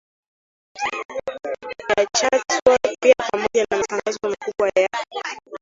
ya Chatsworth pia pamoja na matangazo makubwa ya